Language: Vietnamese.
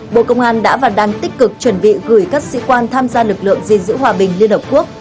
bộ công an đã và đang tích cực chuẩn bị gửi các sĩ quan tham gia lực lượng gìn giữ hòa bình liên hợp quốc